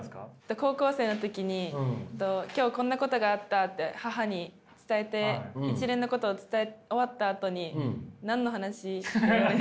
高校生の時に今日こんなことがあったって母に伝えて一連のことを伝え終わったあとに「何の話？」って言われて。